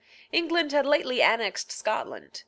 England had lately annexed Scotland.